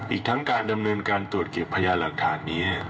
อีกทั้งการดำเนินการตรวจเก็บพยานหลักฐานนี้